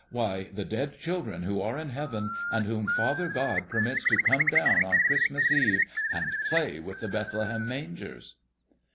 Why, the dead children who are in heaven and whom Father God permits to come down on Christmas Eve and play with the Bethlehem mangers."